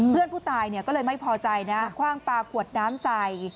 เพื่อนผู้ตายก็เลยไม่พอใจนะคว่างปลาขวดน้ำใส่